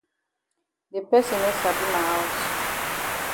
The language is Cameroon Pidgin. De person no sabi ma haus.